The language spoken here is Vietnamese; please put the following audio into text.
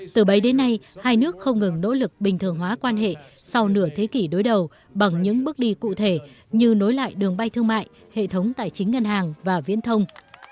từ bấy đến nay hai nước không ngừng nỗ lực bình thường hóa quan hệ sau nửa thế kỷ đối đầu bằng những bước đi cụ thể như nối lại đường bay thương mại hệ thống tài chính ngân hàng và viễn thông